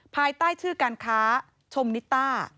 ภายใต้ชื่อการค้าชมนิต้า